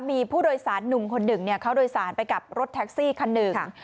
มีผู้โดยสารหนุ่มคนหนึ่งเขาโดยสารไปกับรถแท็กซี่คันหนึ่ง